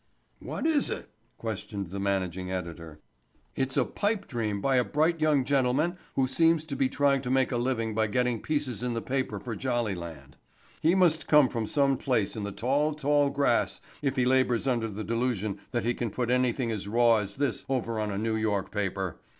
"What is it?" questioned the managing editor. "It's a pipe dream by a bright young gentleman who seems to be trying to make a living by getting pieces in the paper for Jollyland. He must come from some place in the tall, tall grass if he labors under the delusion that he can put anything as raw as this over on a New York paper.